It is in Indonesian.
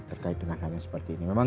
terkait dengan hal yang seperti ini memang